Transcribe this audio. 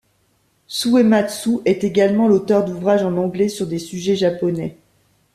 Suematsu est également l'auteur d'ouvrage en anglais sur des sujets japonais.